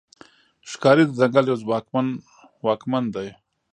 ښکاري د ځنګل یو ځواکمن واکمن دی.